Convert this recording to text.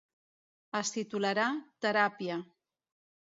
Es titularà "Teràpia".